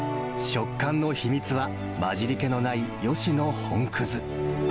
食感の秘密は、混じりけのない、吉野本葛。